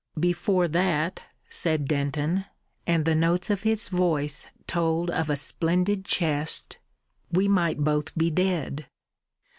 "Before that," said Denton and the notes of his voice told of a splendid chest "we might both be dead!"